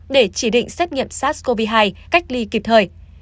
để chỉ định xét nghiệm sars cov hai cách ly kịp thời